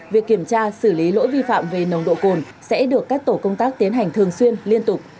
việc kiểm tra xử lý lỗi vi phạm về nồng độ cồn sẽ được các tổ công tác tiến hành thường xuyên liên tục